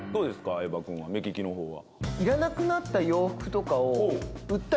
相葉君は目利きの方は。